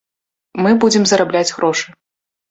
Мы будзем зарабляць грошы.